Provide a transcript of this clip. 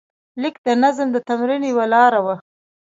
لیک د نظم د تمرین یوه لاره وه.